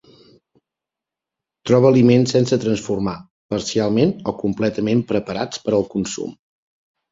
Trobe aliments sense transformar, parcialment o completament preparats per al consum.